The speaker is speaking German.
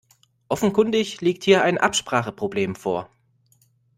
Offenkundig liegt hier ein Abspracheproblem vor.